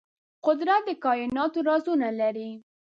قدرت د کائناتو رازونه لري.